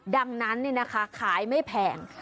ดังนั้นขายไม่แพง